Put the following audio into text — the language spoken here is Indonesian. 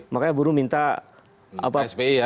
makanya buruh minta spi ya